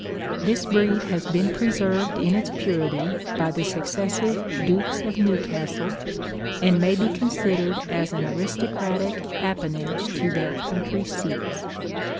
This breed has been preserved in its purity by the successive Dukes of Newcastle, and may be considered as an aristocratic apanage to their country seats.